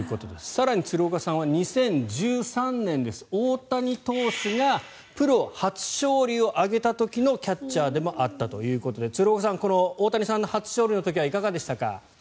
更に、鶴岡さんは２０１３年です大谷投手がプロ初勝利を挙げた時のキャッチャーでもあったということで鶴岡さん、大谷さんの初勝利の時はいかがでしたか？